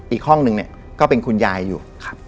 อีกห้องหนึ่งก็เป็นคุณยายอยู่